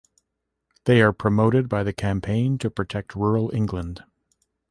They are promoted by the Campaign to Protect Rural England.